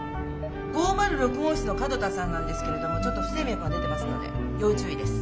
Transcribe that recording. ５０６号室の角田さんなんですけれどもちょっと不整脈が出てますので要注意です。